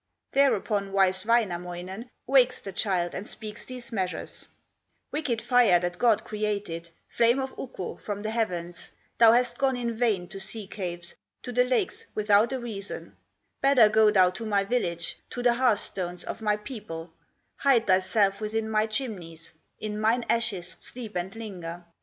Thereupon wise Wainamoinen Wakes the child and speaks these measures: "Wicked fire that God created, Flame of Ukko from the heavens, Thou hast gone in vain to sea caves, To the lakes without a reason; Better go thou to my village, To the hearth stones of my people; Hide thyself within my chimneys, In mine ashes sleep and linger.